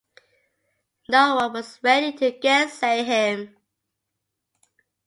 No one was ready to gainsay him.